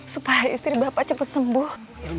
supaya istri bapak cepat sembuh